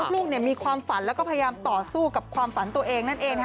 ลูกมีความฝันแล้วก็พยายามต่อสู้กับความฝันตัวเองนั่นเอง